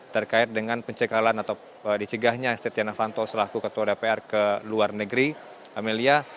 terkait dengan pencegahan atau dicegahnya setia novanto selaku ketua dpr ke luar negeri amelia